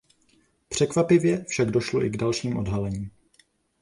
Překvapivě však došlo i k dalším odhalením.